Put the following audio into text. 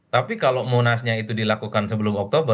tapi kalau munasnya itu dilakukan sebelum oktober